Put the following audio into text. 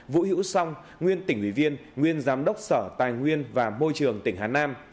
vũ hữu song nguyên tỉnh ủy viên nguyên giám đốc sở tài nguyên và môi trường tỉnh hà nam